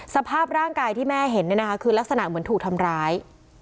สภาพร่างกายที่แม่เห็นคือลักษณะเหมือนถูกทำร้าย